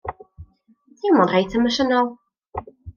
Teimlo'n reit emosiynol.